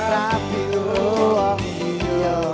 rambi ruang dia